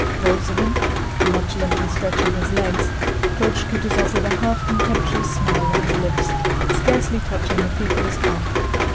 Wolzogen, nonchalantly stretching his legs, approached Kutúzov with a half contemptuous smile on his lips, scarcely touching the peak of his cap.